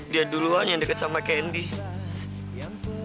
dia duluan yang deket sama candy